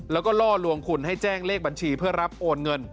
แล้วก็ล่อลวงคุณให้แจ้งเลขบัญชีเพื่อรับโอนเงิน